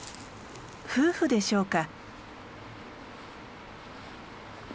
夫婦でしょうか。